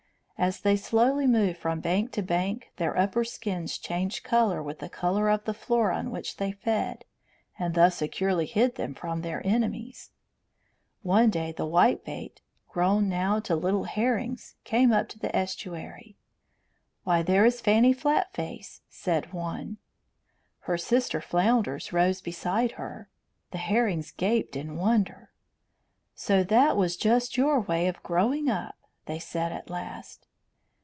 As they slowly moved from bank to bank their upper skins changed colour with the colour of the floor on which they fed, and thus securely hid them from their enemies. One day the whitebait, grown now to little herrings, came up the estuary. "Why, there is Fanny Flatface," said one. Her sister flounders rose beside her. The herrings gaped in wonder. "So that was just your way of growing up!" they said at last.